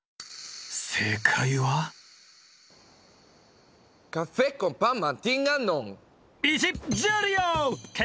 正解はカフェコンパンマンティガノン。